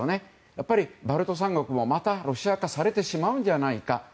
やっぱりバルト三国はまたロシア化されてしまうんじゃないか。